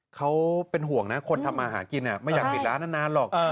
เขาเป็นห่วงนะคนทำมาหากินไม่อยากปิดร้านนานหรอก